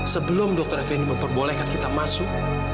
sebelum dokter effendi memperbolehkan kita masuk